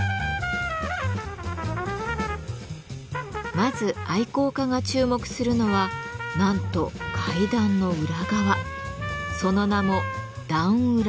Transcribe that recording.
まず愛好家が注目するのはなんと階段の裏側その名も「段裏」。